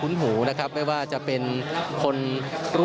และก็มีการกินยาละลายริ่มเลือดแล้วก็ยาละลายขายมันมาเลยตลอดครับ